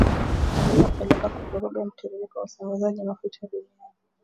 mwishoni mwa Februari iliyopelekea kuvuruga mtiririko wa usambazaji mafuta duniani